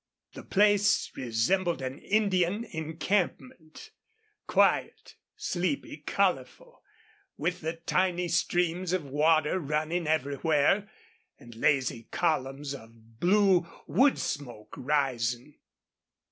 The place resembled an Indian encampment quiet, sleepy, colorful, with the tiny streams of water running everywhere, and lazy columns of blue wood smoke rising.